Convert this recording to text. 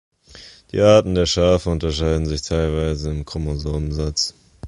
Die Arten der Schafe unterscheiden sich teilweise im Chromosomensatz.